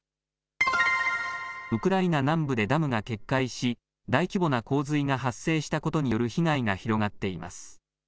ウクライナ南部でダムが決壊し大規模な洪水が発生したことによる被害が広がっています。